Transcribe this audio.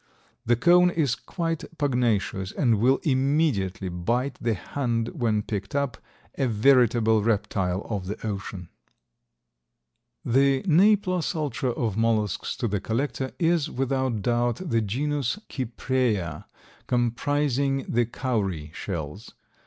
The cone is quite pugnacious and will immediately bite the hand when picked up, a veritable reptile of the ocean. The ne plus ultra of mollusks to the collector is without doubt the genus Cypraea, comprising the cowry shells.